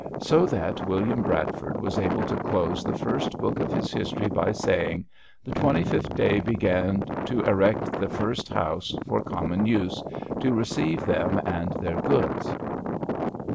So that William Bradford was able to close the first book of his history by saying: "Ye 25. day begane to erect ye first house for comone use to receive them and their goods."